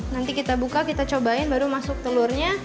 nanti kita buka kita cobain baru masuk telurnya